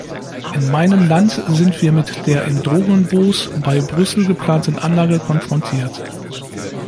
In meinem Land sind wir mit der in Drogenbos bei Brüssel geplanten Anlage konfrontiert.